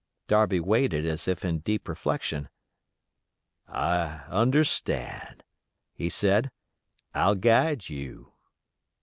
Darby waited as if in deep reflection. "I understand," he said. "I'll guide you."